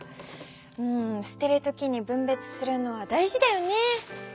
うんすてる時にぶんべつするのは大事だよね。